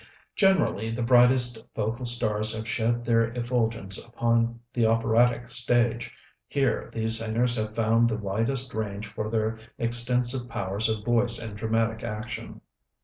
Generally the brightest vocal stars have shed their effulgence upon the operatic stage: here these singers have found the widest range for their extensive powers of voice and dramatic action.